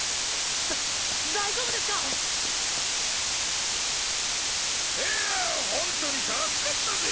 だ大丈夫ですか⁉いやほんとに助かったぜ！